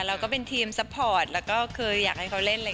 เราก็เป็นทีมสปอร์ตแล้วก็คืออยากให้เขาเล่นเลย